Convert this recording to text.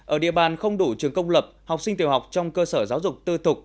ở địa bàn không đủ trường công lập học sinh tiểu học trong cơ sở giáo dục tư thục